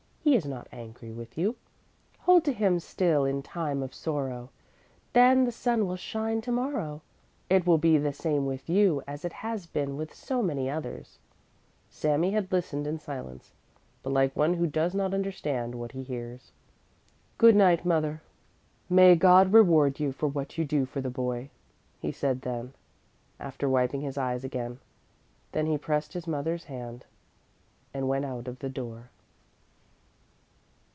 He is not angry with you. Hold to him still in time of sorrow, then the sun will shine tomorrow! It will be the same with you as it has been with so many others." Sami had listened in silence, but like one who does not understand what he hears. "Good night, mother! May God reward you for what you do for the boy," he said then, after wiping his eyes again. Then he pressed his mother's hand, and went out of the door.